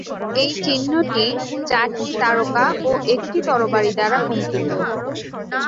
এই চিহ্নটি চারটি তারকা ও একটি তরবারি দ্বারা অঙ্কিত।